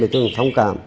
mình tưởng thông cảm